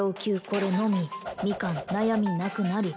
これのみミカン悩みなくなり